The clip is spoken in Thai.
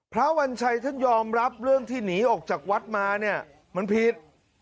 พระวัญชัยจะยอมรับเรื่องที่หนีออกจากวัดมามันผิด